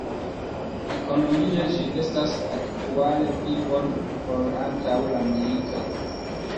Ekonomie, ĝi estas aktuale pli bone ol antaŭ la milito.